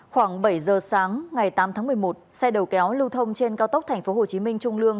khoảng bảy giờ sáng ngày tám tháng một mươi một xe đầu kéo lưu thông trên cao tốc tp hcm trung lương